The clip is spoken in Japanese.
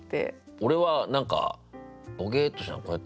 俺は何かボケッとしながらこうやって。